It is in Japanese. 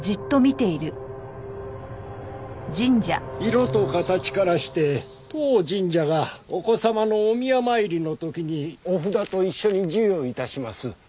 色と形からして当神社がお子様のお宮参りの時にお札と一緒に授与致します